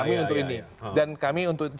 kami untuk ini dan kami untuk